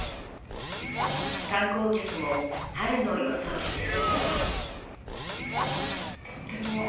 観光客も春の装いです。